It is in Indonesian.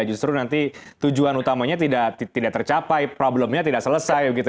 justru nanti tujuan utamanya tidak tercapai problemnya tidak selesai gitu